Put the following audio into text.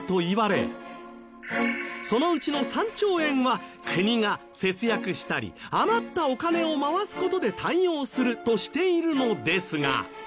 そのうちの３兆円は国が節約したり余ったお金を回す事で対応するとしているのですが。